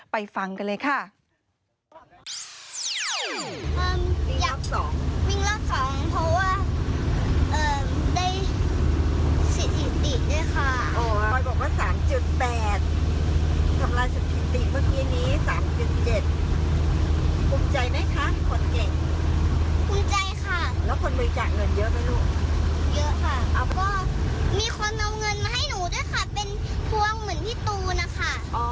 ฟังกันเลยค่ะ